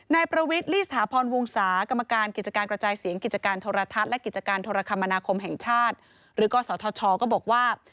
นายประวิทย์ลี่สถาพรวงศากรรมการกิจการกระจายเสียงกิจการโทรทัศน์และกิจการโทรคมนาคมแห่งชาติหรือกศธชก็บอกว่า